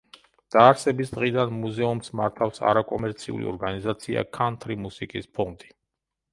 დაარსების დღიდან მუზეუმს მართავს არაკომერციული ორგანიზაცია „ქანთრი მუსიკის ფონდი“.